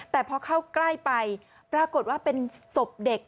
แต่พอเข้าใกล้ไปปรากฏว่าเป็นศพเด็ก